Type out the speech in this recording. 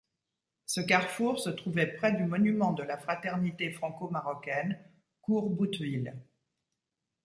Ce carrefour se trouvait près du monument de la fraternité franco-marocaine, cours Boutteville.